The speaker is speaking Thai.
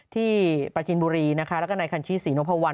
ที่ประจินบุรีลักษณ์กระหน่ายนาคันชีสีนพวัญ